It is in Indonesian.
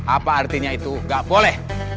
apa artinya itu gak boleh